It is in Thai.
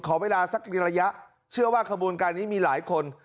ขอเวลาสักระยะเชื่อว่าขบวนการนี้มีหลายคน